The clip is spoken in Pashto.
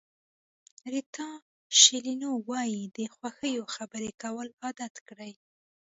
ریتا شیلینو وایي د خوښیو خبرې کول عادت کړئ.